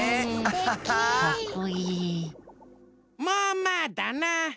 まあまあだな。